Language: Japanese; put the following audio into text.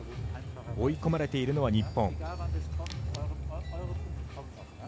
追い込まれているのは日本。